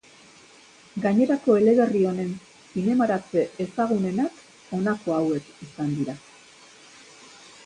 Gainerako eleberri honen zinemaratze ezagunenak honako hauek izan dira.